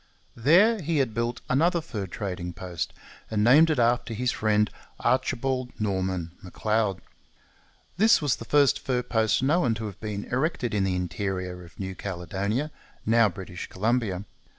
There he had built another fur trading post, and named it after his friend, Archibald Norman M'Leod. This was the first fur post known to have been erected in the interior of New Caledonia, now British Columbia.